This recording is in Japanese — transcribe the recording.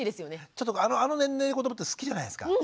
ちょっとあの年齢の子どもって好きじゃないですか